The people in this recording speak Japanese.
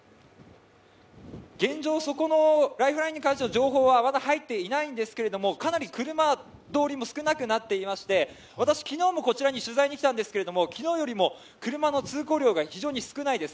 現状、ライフラインに関しての情報はまだ入っていないんですが、かなり車通りも少なくなっていまして、私は昨日もこちらに取材に来たんですけれども、昨日よりも車の通行量が非常に少ないです。